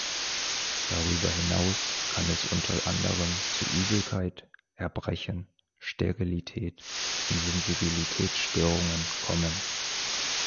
Darüber hinaus kann es unter anderem zu Übelkeit, Erbrechen, Sterilität und Sensibilitätsstörungen kommen.